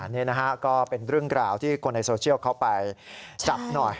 นี่นะฮะก็เป็นเรื่องราวที่คนในโซเชียลเขาไปจับหน่อย